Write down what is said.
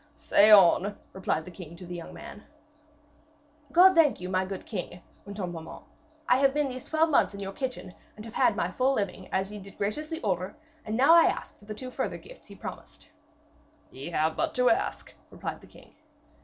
'Say on,' replied the king to the young man. 'God thank you, my king,' went on Beaumains. 'I have been these twelve months in your kitchen, and have had my full living, as ye did graciously order, and now I ask for the two further gifts ye promised.' 'Ye have but to ask,' replied the king.